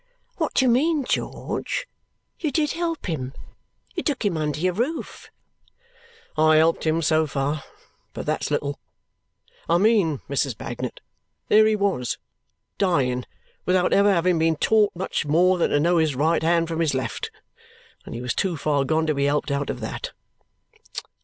"What do you mean, George? You did help him. You took him under your roof." "I helped him so far, but that's little. I mean, Mrs. Bagnet, there he was, dying without ever having been taught much more than to know his right hand from his left. And he was too far gone to be helped out of that."